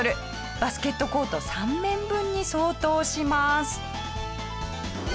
バスケットコート３面分に相当します。